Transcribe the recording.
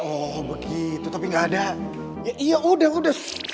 oh begitu tapi gak ada ya udah udah